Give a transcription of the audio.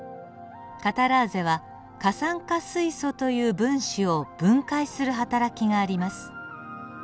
カタラーゼは過酸化水素という分子を分解する働きがあります。